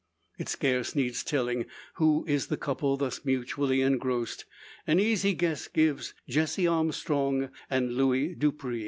It scarce needs telling who is the couple thus mutually engrossed. An easy guess gives Jessie Armstrong and Luis Dupre.